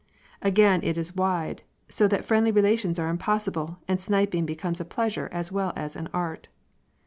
Again it is wide, so that friendly relations are impossible, and sniping becomes a pleasure as well as an art.